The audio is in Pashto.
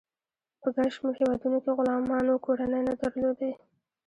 په ګڼ شمیر هیوادونو کې غلامانو کورنۍ نه درلودې.